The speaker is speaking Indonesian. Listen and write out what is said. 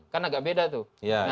kan agak beda tuh